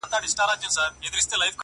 ورته اور كلى، مالت، كور او وطن سي!!